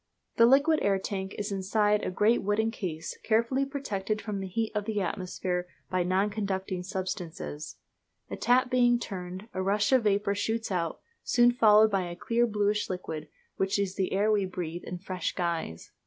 The liquid air tank is inside a great wooden case, carefully protected from the heat of the atmosphere by non conducting substances. A tap being turned, a rush of vapour shoots out, soon followed by a clear, bluish liquid, which is the air we breathe in a fresh guise.